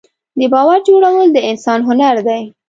د باور جوړول د انسان هنر دی.